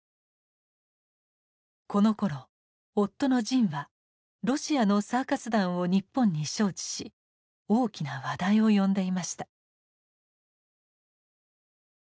このころ夫の神はロシアのサーカス団を日本に招致し大きな話題を呼んでいました。